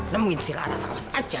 nemuin si laras awas aja